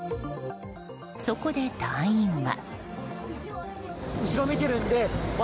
そこで隊員は。